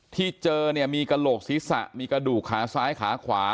ที่เจอเนี่ยมีกระโหลกศีรษะมีกระดูกขาซ้ายขาขวา